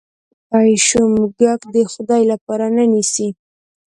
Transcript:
پیشو موږک د خدای لپاره نه نیسي.